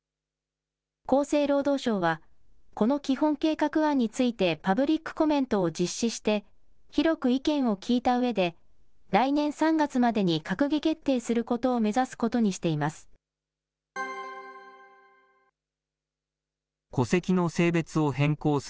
厚生労働省は、この基本計画案についてパブリックコメントを実施して、広く意見を聞いたうえで、来年３月までに閣議決定することを目指すことにしています。